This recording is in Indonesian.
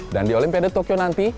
dan di olimpiade tokyo nanti